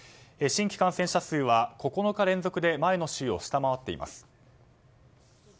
新規感染者数は９日連続で前の週を下回っています。